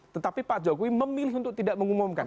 tetapi pak jokowi memilih untuk tidak mengumumkan